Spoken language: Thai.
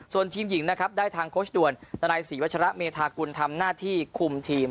ส่วนทีมหญิงได้ทางคดณสี่วชะระมีทางกุลทำหน้าที่คุมทีม